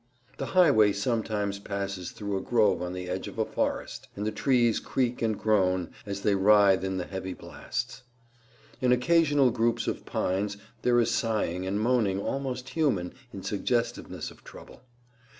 The highway sometimes passes through a grove on the edge of a forest, and the trees creak and groan as they writhe in the heavy blasts. In occasional groups of pines there is sighing and moaning almost human in suggestiveness of trouble.